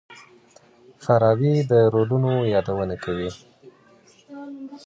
فارابي د رولونو يادونه کوي.